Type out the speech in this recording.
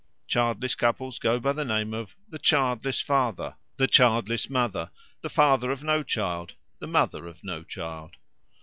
Childless couples go by the name of "the childless father," "the childless mother," "the father of no child," "the mother of no child."